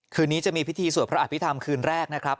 คืนนี้จะมีพิธีสวดพระอภิษฐรรมคืนแรกนะครับ